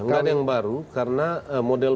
nggak ada yang baru karena model